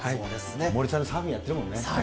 森さん、サーフィンやってるもんね。